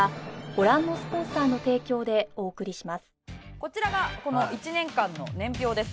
こちらがこの１年間の年表です。